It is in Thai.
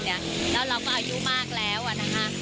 แล้วเราก็อายุมากแล้วนะคะ